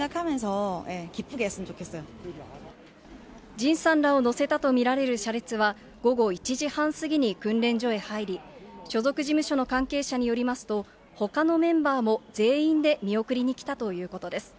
ＪＩＮさんらを乗せたと見られる車列は、午後１時半過ぎに訓練所に入り、所属事務所の関係者らによりますと、ほかのメンバーも全員で見送りに来たということです。